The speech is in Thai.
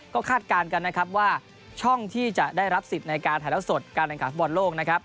ก็คาดการณ์กันว่าช่องที่จะได้รับสิทธิ์ในการถ่ายเท้าสดการแรงขาดฟอร์ดโลก